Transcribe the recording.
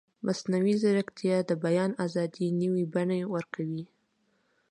مصنوعي ځیرکتیا د بیان ازادي نوې بڼه ورکوي.